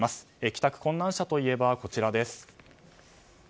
帰宅困難者といえば、こちらです。